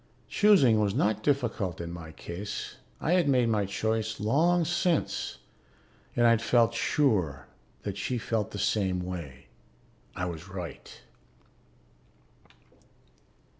Choosing was not difficult in my case. I had made my choice long since and I'd felt sure that she felt the same way; I was right.